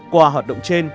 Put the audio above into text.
qua hoạt động trên